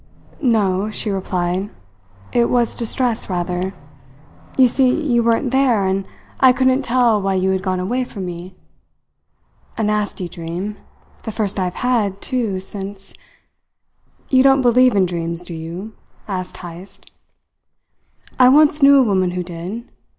"No," she replied. "It was distress, rather. You see, you weren't there, and I couldn't tell why you had gone away from me. A nasty dream the first I've had, too, since " "You don't believe in dreams, do you?" asked Heyst. "I once knew a woman who did.